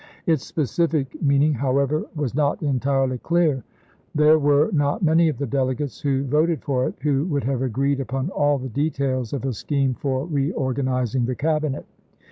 Its specific mean ing, however, was not entirely clear. There were Junes, 1864. not many of the delegates who voted for it who would have agreed upon all the details of a scheme for reorganizing the Cabinet.